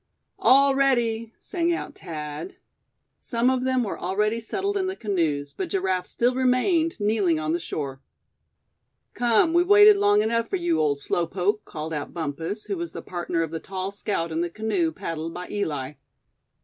"All ready!" sang out Thad. Some of them were already settled in the canoes; but Giraffe still remained, kneeling on the shore. "Come, we've waited long enough for you, old Slow poke!" called out Bumpus, who was the partner of the tall scout in the canoe paddled by Eli.